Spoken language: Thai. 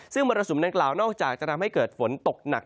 ซึ่งมรสุมดังกล่าวนอกจากจะทำให้เกิดฝนตกหนัก